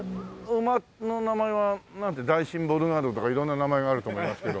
馬の名前はなんてダイシンボルガードとか色んな名前があると思いますけど。